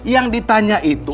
yang ditanya itu